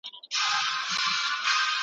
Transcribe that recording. سياستپوهنه د ټولنيز ژوند ډېره مهمه برخه ده.